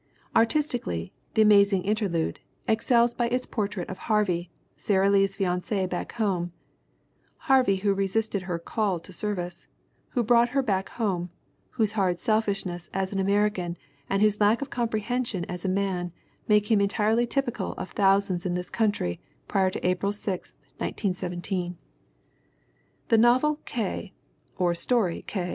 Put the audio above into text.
Artistically The Amazing Interlude excels by its portrait of Harvey, Sara Lee's fiance back home, Harvey who resisted her "call" to service, who brought her back home, whose hard selfishness as an American and whose lack of comprehension as a man make him entirely typical of thousands in this country prior to April 6, 1917. The novel K. or story K.